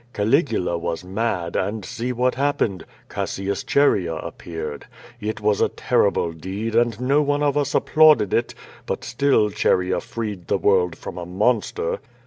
Caligula was mad, and see what happened — Cassius Chaerea appeared. It was a terrible QVO VADI8. 469 deed, and no one of us applauded it; but still Chaerea freed the world from a monster."